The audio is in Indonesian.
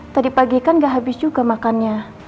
tadi pagi kan gak habis juga makannya